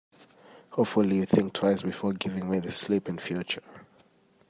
Hopefully, you'll think twice before giving me the slip in future.